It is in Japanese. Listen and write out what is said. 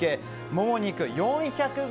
モモ肉４００ｇ。